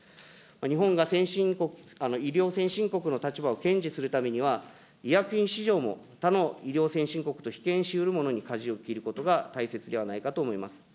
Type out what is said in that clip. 日本が先進国、医療先進国の立場を堅持に対するためには医薬品先進国他の医療先進国と比肩しうるものに、かじを切ることが大切ではないかと思います。